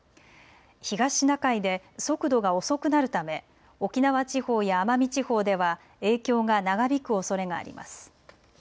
東シナ海で速度が遅くなるため沖縄地方や奄美地方では影響が長引くおそれがあります。